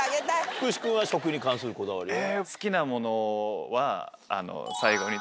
福士君は食に関するこだわりは？